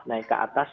naik ke atas